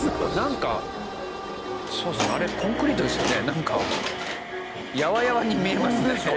なんかやわやわに見えますね一瞬。